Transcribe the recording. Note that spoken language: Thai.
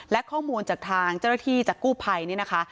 และข้อมูลจากทางเจ้าหน้าที่จากกู้ภัยนี่นะคะ